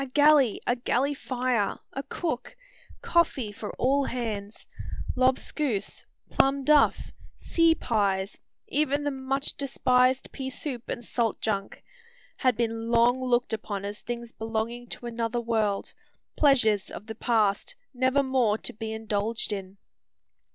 A galley; a galley fire; a cook; coffee for all hands; lobscouse; plum duff; sea pies; even the much despised pea soup and salt junk, had been long looked upon as things belonging to another world, pleasures of the past, never more to be indulged in!